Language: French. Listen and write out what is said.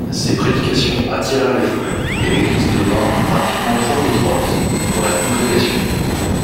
Ses prédications attirent les foules, et l'église devint rapidement trop étroite pour la congrégation.